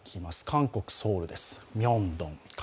韓国ソウルです。